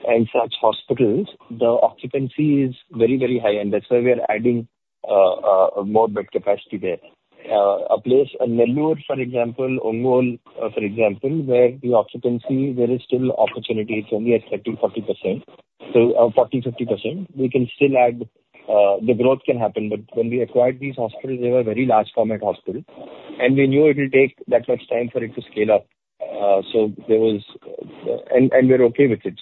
and such hospitals, the occupancy is very, very high. And that's why we are adding more bed capacity there. A place in Nellore, for example, Ongole, for example, where the occupancy, there is still opportunity to only at 30%-40%, 40%-50%. We can still add the growth can happen. But when we acquired these hospitals, they were very large-format hospitals, and we knew it will take that much time for it to scale up. So that was and we're okay with it.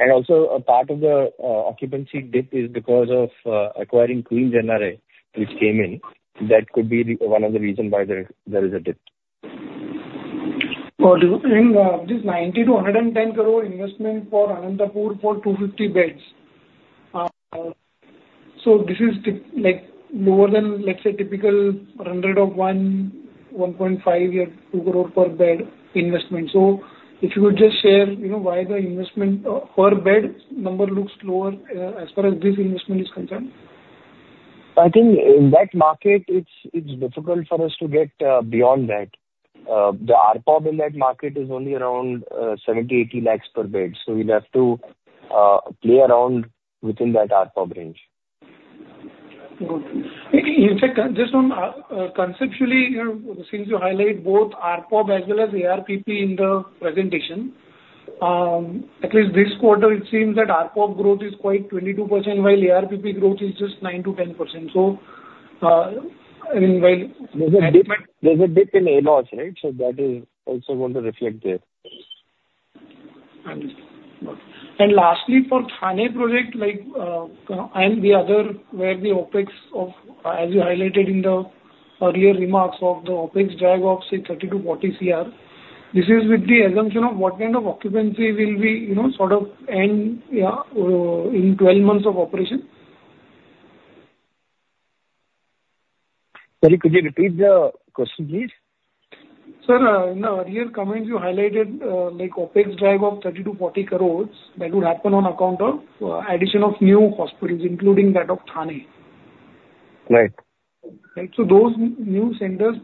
And also, a part of the occupancy dip is because of acquiring Queen's NRI, which came in. That could be one of the reasons why there is a dip. I mean, this 90-110 crore investment for Anantapur for 250 beds. So this is lower than, let's say, typical 1-1.5 or 2 crore per bed investment. So if you could just share why the investment per bed number looks lower as far as this investment is concerned? I think in that market, it's difficult for us to get beyond that. The ARPO in that market is only around 70-80 lakhs per bed. So we'd have to play around within that ARPO range. Okay. In fact, just on conceptually, since you highlight both ARPO as well as ARPP in the presentation, at least this quarter, it seems that ARPO growth is quite 22%, while ARPP growth is just 9-10%. So I mean, while there's a dip in ALOS, right? So that is also going to reflect there. And lastly, for Thane project and the other where the OPEX, as you highlighted in the earlier remarks of the OPEX drag-offs is 30-40 Cr. This is with the assumption of what kind of occupancy will be sort of end in 12 months of operation? Sorry, could you repeat the question, please? Sir, in the earlier comments, you highlighted OpEx drag of 30-40 crore that would happen on account of addition of new hospitals, including that of Thane. Right. Right. So those new centers,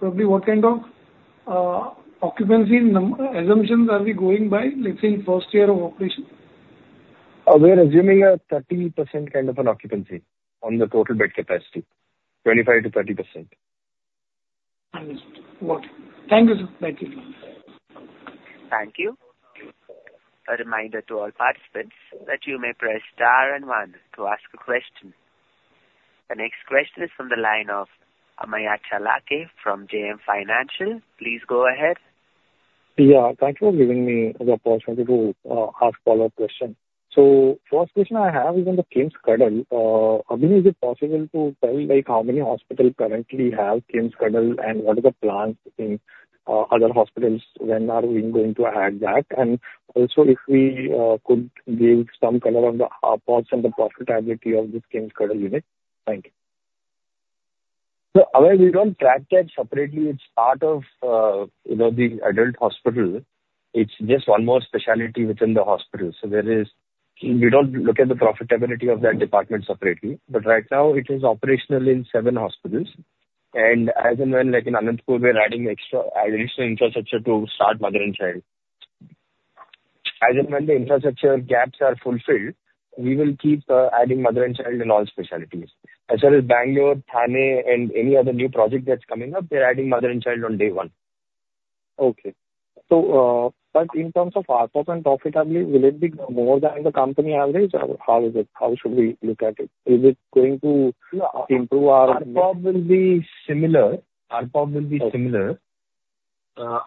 probably what kind of occupancy assumptions are we going by, let's say, in first year of operation? We're assuming a 30% kind of an occupancy on the total bed capacity, 25%-30%. Understood. Thank you, sir. Thank you. Thank you. A reminder to all participants that you may press star and one to ask a question. The next question is from the line of Ameya Karandikar from JM Financial. Please go ahead. Thank you for giving me the opportunity to ask a follow-up question. First question I have is on the KIMS Cradle. Ameya, is it possible to tell how many hospitals currently have KIMS Cradle and what are the plans in other hospitals? When are we going to add that? And also, if we could give some color on the cost and the profitability of this KIMS Cradle unit. Thank you. We don't track that separately. It's part of the adult hospital. It's just one more specialty within the hospitals. So we don't look at the profitability of that department separately. But right now, it is operational in seven hospitals. And as and when in Anantapur, we're adding extra additional infrastructure to start mother and child. As and when the infrastructure gaps are fulfilled, we will keep adding mother and child in all specialties. As well as Bangalore, Thane, and any other new project that's coming up, we're adding mother and child on day one. Okay. But in terms of ARPOB and profitability, will it be more than the company average, or how should we look at it? Is it going to improve our— ARPOB will be similar. Our ARPOB will be similar.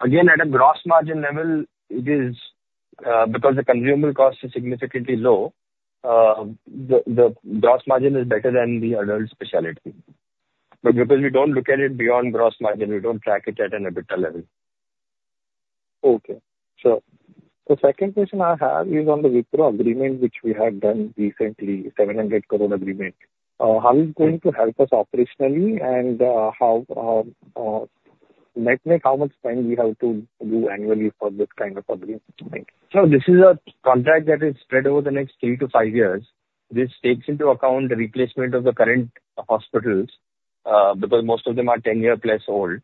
Again, at a gross margin level, it is because the consumable cost is significantly low. The gross margin is better than the adult specialty. But because we don't look at it beyond gross margin, we don't track it at an EBITDA level. Okay. So the second question I have is on the Wipro agreement, which we have done recently, 700 crore agreement. How is it going to help us operationally, and how much spend we have to do annually for this kind of agreement? So this is a contract that is spread over the next three to five years. This takes into account the replacement of the current hospitals because most of them are 10-year-plus old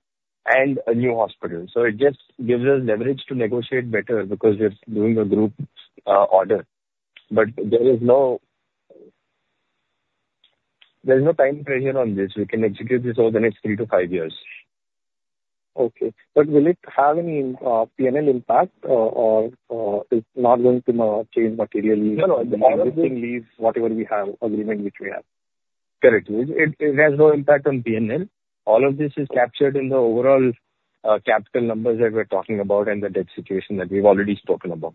and a new hospital. So it just gives us leverage to negotiate better because we're doing a group order. But there is no time pressure on this. We can execute this over the next three to five years. Okay. But will it have any P&L impact, or is it not going to change materially? No, no. The more we can leave whatever we have agreement which we have. Correct. It has no impact on P&L. All of this is captured in the overall capital numbers that we're talking about and the debt situation that we've already spoken about.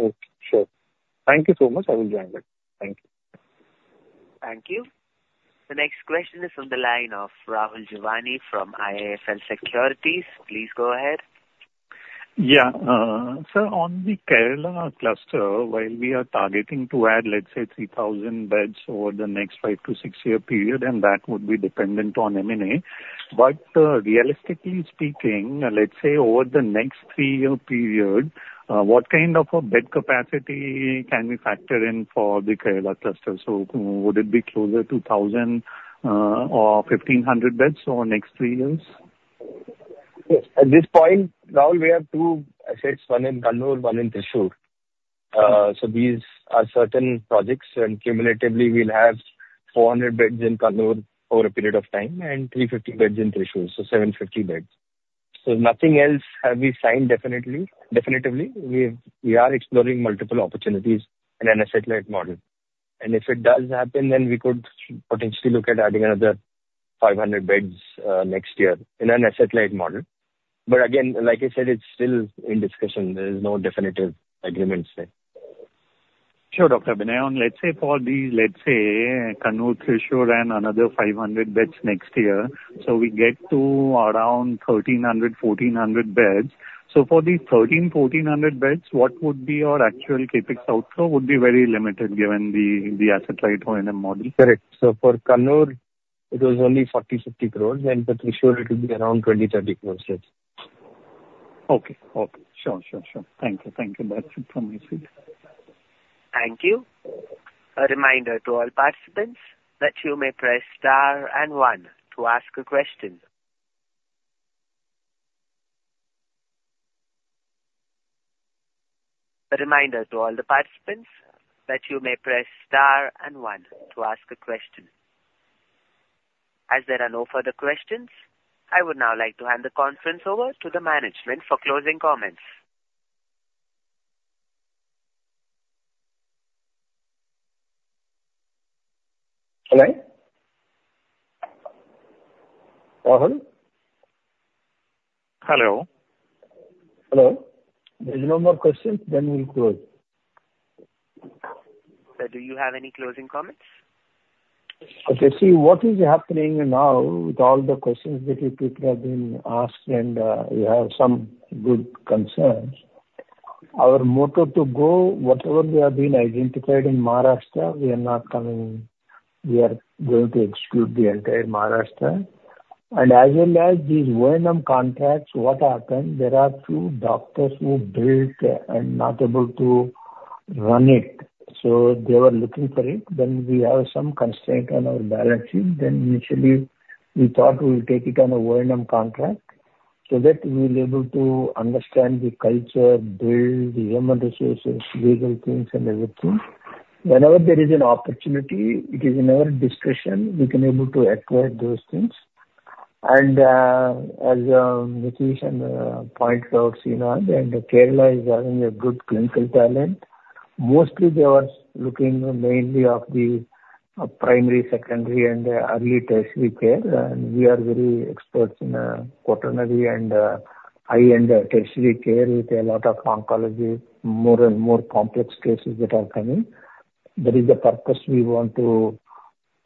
Okay. Sure. Thank you so much. I will join that. Thank you. Thank you. The next question is from the line of Rahul Jeewani from IIFL Securities. Please go ahead. So on the Kerala cluster, while we are targeting to add, let's say, 3,000 beds over the next five-to-six-year period, and that would be dependent on M&A. But realistically speaking, let's say over the next three-year period, what kind of a bed capacity can we factor in for the Kerala cluster? So would it be closer to 1,000 or 1,500 beds over the next three years? At this point, Rahul, we have two assets, one in Kannur, one in Thrissur. So these are certain projects, and cumulatively, we'll have 400 beds in Kannur over a period of time and 350 beds in Thrissur, so 750 beds. So nothing else have we signed definitely. Definitely, we are exploring multiple opportunities in an asset-led model. And if it does happen, then we could potentially look at adding another 500 beds next year in an asset-light model. But again, like I said, it's still in discussion. There is no definitive agreement there. Sure, Dr. Abhinay. Let's say for the, let's say, Kannur, Thrissur, and another 500 beds next year, so we get to around 1,300, 1,400 beds. So for the 1,300, 1,400 beds, what would be our actual CapEx outflow? It would be very limited given the asset-light O&M model. Correct. So for Kannur, it was only 40-50 crores, and for Thrissur, it will be around 20-30 crores, yes. Okay. Okay. Sure. Sure. Sure. Thank you. Thank you. That's it from my side. Thank you. A reminder to all participants that you may press star and one to ask a question. A reminder to all the participants that you may press star and one to ask a question. As there are no further questions, I would now like to hand the conference over to the management for closing comments. Hello? Rahul? Hello. Hello? There's no more questions. Then we'll close. Do you have any closing comments? Okay. See, what is happening now with all the questions that you people have been asked, and you have some good concerns. Our motto to go, whatever we have been identified in Maharashtra, we are not coming. We are going to exclude the entire Maharashtra. And as well as these O&M contracts, what happened, there are two doctors who built and not able to run it. So they were looking for it. Then we have some constraint on our balance sheet. Then initially, we thought we'll take it on an O&M contract so that we'll be able to understand the culture, build the human resources, legal things, and everything. Whenever there is an opportunity, it is in our discretion. We can be able to acquire those things. And as Nitish pointed out, Kerala is having a good clinical talent. Mostly, they are looking mainly for the primary, secondary, and early tertiary care. And we are very experts in quaternary and high-end tertiary care with a lot of oncology, more and more complex cases that are coming. That is the purpose we want to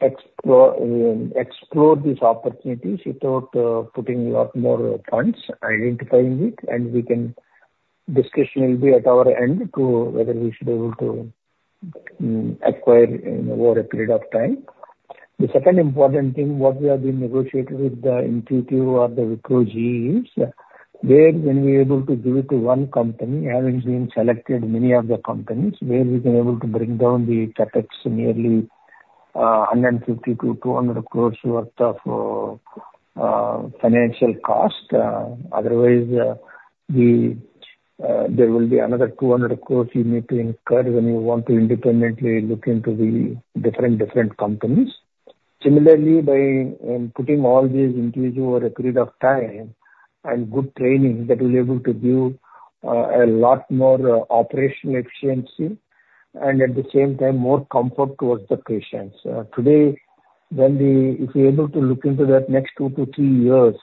explore these opportunities without putting a lot more funds, identifying it, and the discussion will be at our end to whether we should be able to acquire over a period of time. The second important thing, what we have been negotiating with the Intuitive or the Wipro GE is, where when we are able to give it to one company, having been selected many of the companies, where we can be able to bring down the CapEx nearly 150-200 crores worth of financial cost. Otherwise, there will be another 200 crore you need to incur when you want to independently look into the different companies. Similarly, by putting all these into you over a period of time and good training, that will be able to give a lot more operational efficiency and at the same time more comfort towards the patients. Today, if we are able to look into that next two to three years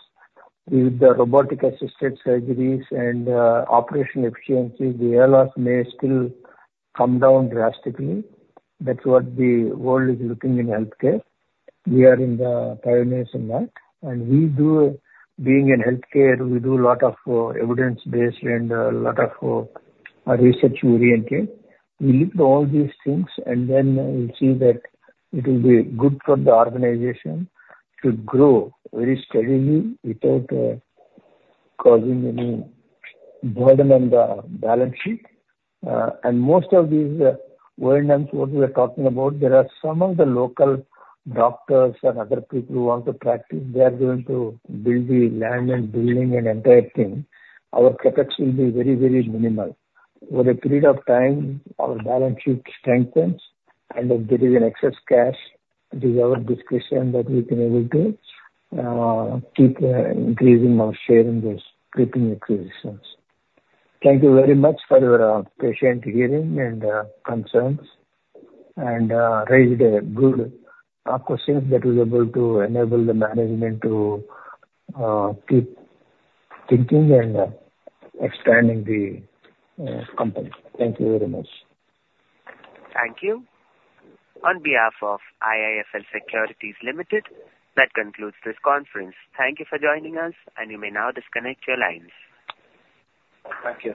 with the robotic-assisted surgeries and operational efficiency, the ALOS may still come down drastically. That's what the world is looking in healthcare. We are the pioneers in that. We do, being in healthcare, a lot of evidence-based and a lot of research-oriented. We look at all these things, and then we'll see that it will be good for the organization to grow very steadily without causing any burden on the balance sheet. Most of these O&Ms, what we are talking about, there are some of the local doctors and other people who want to practice. They are going to build the land and building and entire thing. Our CapEx will be very, very minimal. Over a period of time, our balance sheet strengthens, and if there is excess cash, it is our discretion that we can be able to keep increasing our share in those creeping acquisitions. Thank you very much for your patient hearing and concerns and raised good questions that were able to enable the management to keep thinking and expanding the company. Thank you very much. Thank you. On behalf of IIFL Securities Limited, that concludes this conference. Thank you for joining us, and you may now disconnect your lines. Thank you.